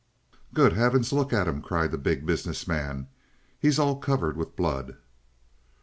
"Good Heavens! Look at him!" cried the Big Business Man. "He's all covered with blood."